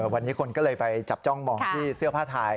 วันนี้คนก็เลยไปจับจ้องมองที่เสื้อผ้าไทย